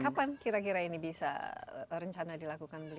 oke kapan kira kira ini bisa rencana dilakukan bu lee